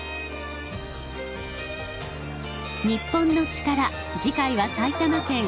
『日本のチカラ』次回は埼玉県。